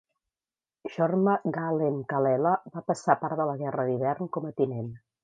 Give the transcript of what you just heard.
Jorma Gallen-Kallela va passar part de la Guerra d'Hivern com a tinent.